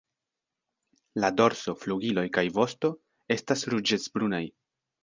La dorso, flugiloj kaj vosto estas ruĝecbrunaj.